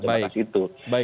baik mas adi